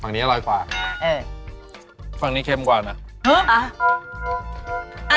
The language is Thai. ฝั่งนี้อร่อยกว่านะเเข็มกว่าน่ะฮึ